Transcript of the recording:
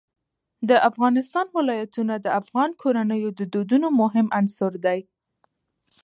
د افغانستان ولايتونه د افغان کورنیو د دودونو مهم عنصر دی.